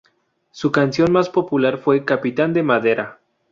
Su canción más popular fue "Capitán de madera".